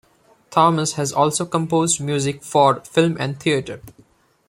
Thomas has also composed music for film and theater.